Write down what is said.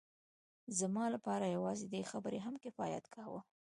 زما لپاره یوازې دې خبرې هم کفایت کاوه